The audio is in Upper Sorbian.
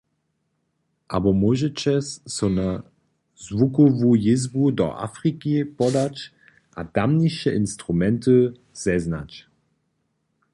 Abo móžeće so na zwukowu jězbu do Afriki podać a tamniše instrumenty zeznać.